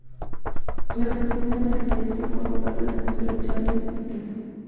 La habitación en la que falleció forma parte del Museo de Charles Dickens.